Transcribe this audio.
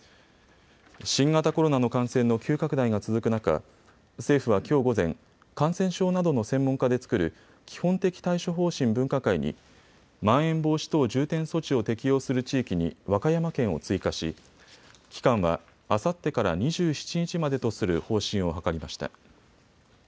新型コロナの感染の急拡大が続く中、政府はきょう午前、感染症などの専門家で作る基本的対処方針分科会にまん延防止等重点措置を適用する地域に和歌山県を追加し期間は、あさってから２７日までとする方針を諮りました。